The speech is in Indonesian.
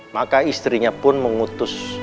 maka istrinya pun mengutus